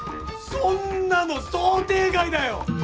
そんなの想定外だよ！